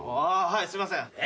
はいすいません。